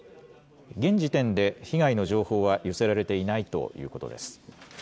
現時点で被害の情報は寄せられていないということです。